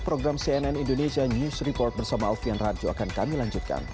program cnn indonesia news report bersama alfian radjo akan kami lanjutkan